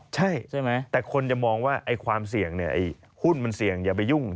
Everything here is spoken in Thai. ใช่ไหมแต่คนจะมองว่าความเสี่ยงหุ้นมันเสี่ยงอย่าไปยุ่ง